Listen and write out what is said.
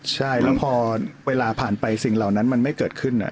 ใช่แล้วพอเวลาผ่านไปสิ่งเหล่านั้นมันไม่เกิดขึ้น